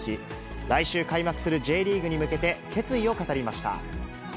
来週開幕するＪリーグに向けて、決意を語りました。